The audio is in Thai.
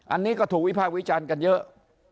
อันนี้ก็ถูกวิพากฤตภัณฑ์กันเยอะ